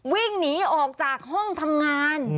วิ่งหนีออกจากห้องทำงาน